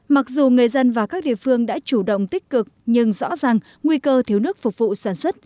mặc dù người dân và các địa phương đã chủ động tích cực nhưng rõ ràng nguy cơ thiếu nước phục vụ sản xuất